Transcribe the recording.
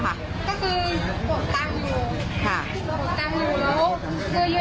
ก็คือกดตังค์อยู่